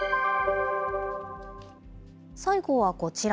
最後はこちら。